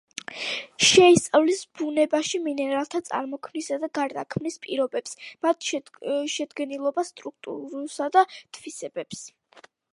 შეისწავლის ბუნებაში მინერალთა წარმოქმნისა და გარდაქმნის პირობებს, მათ შედგენილობას, სტრუქტურასა და თვისებებს.